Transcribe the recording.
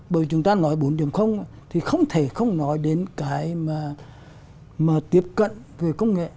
bởi chúng ta nói bốn thì không thể không nói đến cái mà tiếp cận về công nghệ